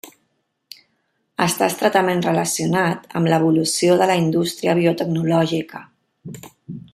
Està estretament relacionat amb l'evolució de la indústria biotecnològica.